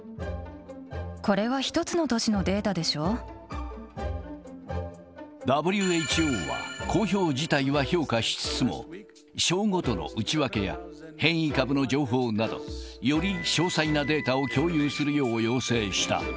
これは１つの都市のデータでＷＨＯは、公表自体は評価しつつも、省ごとの内訳や変異株の情報など、より詳細なデータを共有するよう要請した。